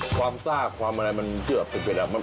ความซากความอะไรมันเกือบเผ็ด